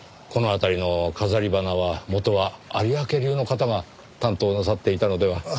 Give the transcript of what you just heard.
この辺りの飾り花は元は有明流の方が担当なさっていたのでは？